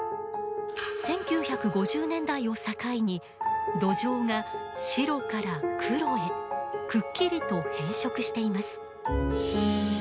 １９５０年代を境に土壌が白から黒へくっきりと変色しています。